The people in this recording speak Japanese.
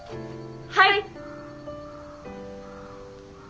はい！